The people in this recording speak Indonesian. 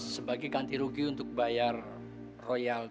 sebagai ganti rugi untuk bayar royal